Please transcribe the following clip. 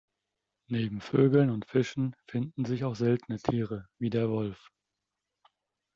Neben Vögeln und Fischen finden sich aus seltene Tiere wie der Wolf.